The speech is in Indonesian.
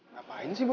ngapain sih boy